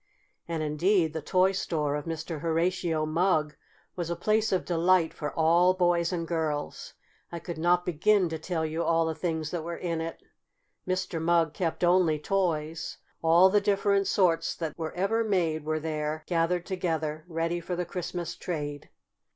And, indeed, the toy store of Mr. Horatio Mugg was a place of delight for all boys and girls. I could not begin to tell you all the things that were in it. Mr. Mugg kept only toys. All the different sorts that were ever made were there gathered together, ready for the Christmas trade.